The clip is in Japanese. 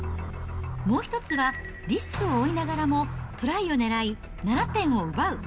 もう１つはリスクを負いながらも、トライを狙い７点を奪う。